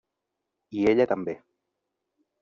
I ella també.